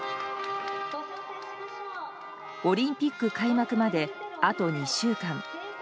オリンピック開幕まであと２週間。